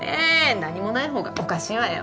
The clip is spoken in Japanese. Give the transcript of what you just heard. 何もないほうがおかしいわよ